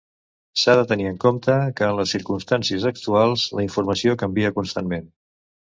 S'ha de tenir en compte que en les circumstàncies actuals, la informació canvia constantment.